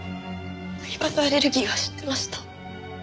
饗庭のアレルギーは知ってました。